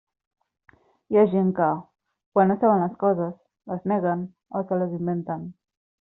Hi ha gent que, quan no saben les coses, les neguen o se les inventen.